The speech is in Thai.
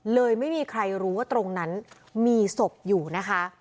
เลยไม่มีใครรู้ว่าตรงนั้นมีศพอยู่นะคะ